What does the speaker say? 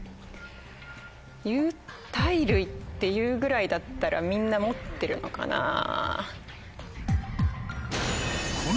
有袋類っていうぐらいだったらみんな持ってるのかなぁ。